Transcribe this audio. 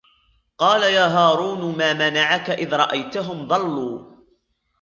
قَالَ يَا هَارُونُ مَا مَنَعَكَ إِذْ رَأَيْتَهُمْ ضَلُّوا